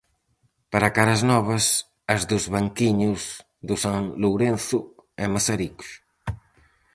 Para caras novas, as dos banquiños do San Lourenzo e Mazaricos.